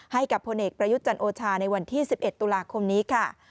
ให้กับพลเอกประยุทธ์จันโอชาในวันที่๑๑ตุลาคมนี้ค่ะ